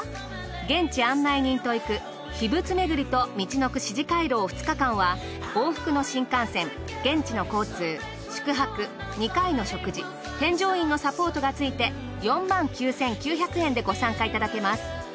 現地案内人と行く秘仏巡りとみちのく四寺廻廊２日間は往復の新幹線現地の交通宿泊２回の食事添乗員のサポートが付いて４９，９００円でご参加いただけます。